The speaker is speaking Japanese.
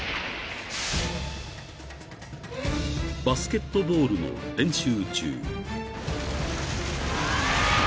［バスケットボールの練習中］